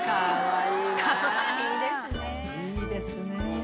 いいですね。